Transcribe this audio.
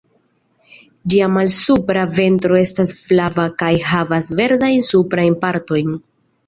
Ĝia malsupra ventro estas flava kaj havas verdajn suprajn partojn.